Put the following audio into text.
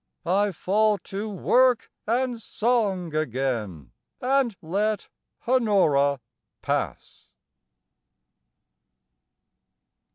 I fall to work and song again, and let Honora pass.